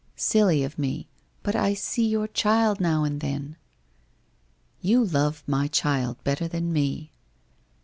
Silly of me — but I see your child now and then/ ' You love my child better than me.'